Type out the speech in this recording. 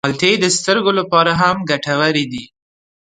مالټې د سترګو لپاره هم ګټورې دي.